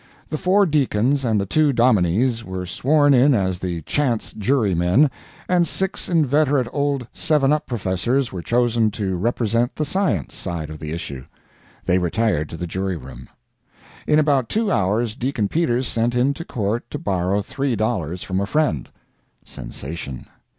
The four deacons and the two dominies were sworn in as the "chance" jurymen, and six inveterate old seven up professors were chosen to represent the "science" side of the issue. They retired to the jury room. In about two hours Deacon Peters sent into court to borrow three dollars from a friend. [Sensation.